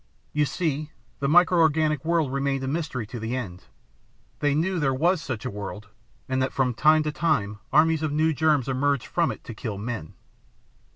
You see, the micro organic world remained a mystery to the end. They knew there was such a world, and that from time to time armies of new germs emerged from it to kill men.